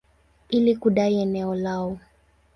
ili kudai eneo lao.